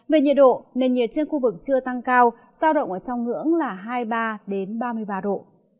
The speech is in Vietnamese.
về nhiệt độ nền nhiệt trên khu vực chưa tăng cao giao động ở trong ngưỡng là hai mươi ba ba mươi ba độ